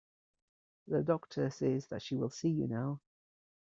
The doctor says that she will see you now.